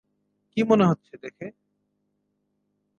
কী মনে হচ্ছে দেখে?